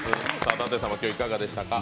舘様、今日いかがでしたか？